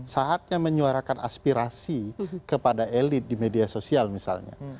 saatnya menyuarakan aspirasi kepada elit di media sosial misalnya